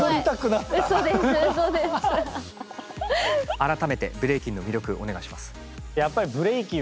改めてブレイキンの魅力お願いします。